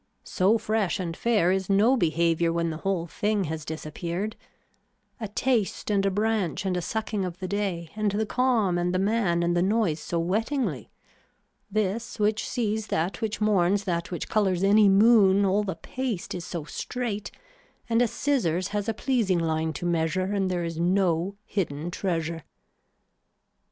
So fresh and fair is no behaviour when the whole thing has disappeared. A taste and a branch and a sucking of the day and the calm and the man and the noise so wettingly. This which sees that which mourns that which colors any moon all the paste is so straight and a scissors has a pleasing line to measure and there is no hidden treasure.